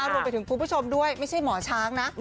รวมไปถึงคุณผู้ชมด้วยไม่ใช่หมอช้างนะ